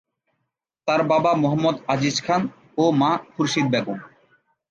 তার বাবা মুহাম্মদ আজিজ খান ও মা খুরশিদ বেগম।